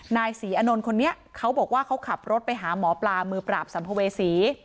นายศรีอนนท์คนนี้เขาบอกว่าเขาขับรถไปหาหมอปลามือปราบสัมภเวษี